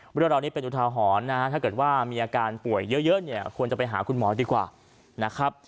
เรื่องราวนี้เป็นอุทาหรณ์นะฮะถ้าเกิดว่ามีอาการป่วยเยอะเนี่ยควรจะไปหาคุณหมอดีกว่านะครับ